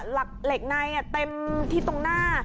เหล็กในเต็มที่ตรงหน้า